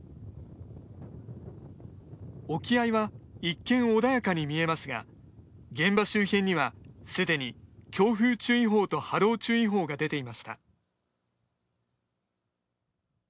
沖合は一見穏やかに見えますが現場周辺にはすでに強風注意報と波浪注意報が出ていました。